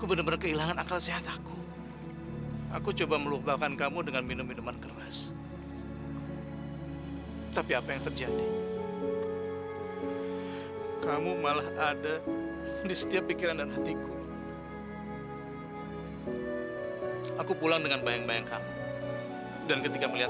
sampai jumpa di video selanjutnya